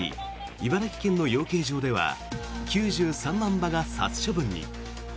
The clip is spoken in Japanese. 茨城県の養鶏場では９３万羽が殺処分に。